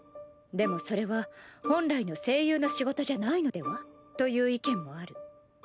でもそれは本来の声優の仕事じゃないのでは？という意見もある。